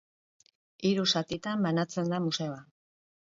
Hiru zatitan banatzen da museoa.